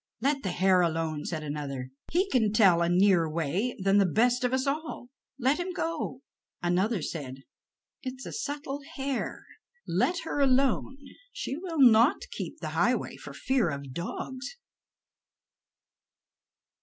"Let the hare alone," said another; "he can tell a nearer way than the best of us all. Let him go." Another said: "It is a subtle hare, let him alone; he will not keep the highway for fear of dogs."